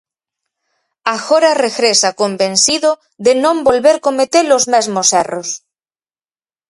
Agora regresa convencido de non volver cometer os mesmos erros.